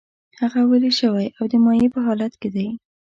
هغه ویلې شوی او د مایع په حالت کې دی.